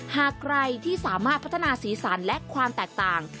หากใครที่สามารถพัฒนาสีสันและความแตกต่าง